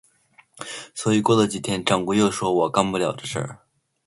所以过了几天，掌柜又说我干不了这事。